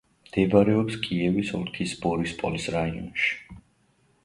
მდებარეობს კიევის ოლქის ბორისპოლის რაიონში.